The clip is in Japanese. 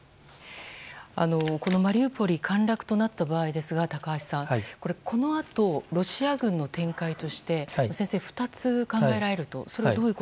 このマリウポリが陥落となった場合ですが高橋さん、このあとロシア軍の展開として２つ考えられると。